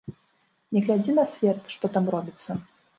Не глядзі на свет, што там робіцца.